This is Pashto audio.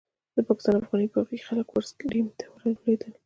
د پاکستان افغاني باغي خلک ورسک ډېم ته ولوېدل.